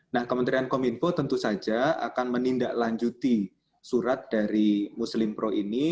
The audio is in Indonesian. nah kementerian komunikasi dan informatika tentu saja akan menindaklanjuti surat dari muslim pro ini